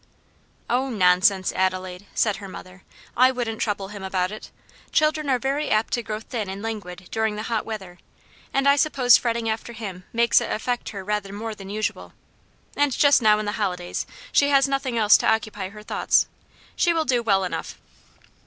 "Oh, nonsense, Adelaide!" said her mother, "I wouldn't trouble him about it. Children are very apt to grow thin and languid during the hot weather, and I suppose fretting after him makes it affect her rather more than usual; and just now in the holidays she has nothing else to occupy her thoughts. She will do well enough."